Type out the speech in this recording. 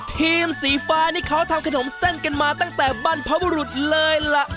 ทีมสีฟ้านี่เขาทำขนมเส้นกันมาตั้งแต่บรรพบุรุษเลยล่ะ